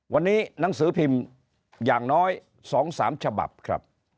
วันนี้หนังสือพิมพ์อย่างน้อย๒๓ฉบับครับ